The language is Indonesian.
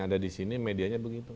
ada di sini medianya begitu